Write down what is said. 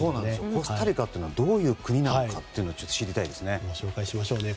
コスタリカというのはどういう国なのかを知りたいですね。